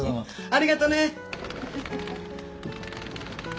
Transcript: ありがとねー！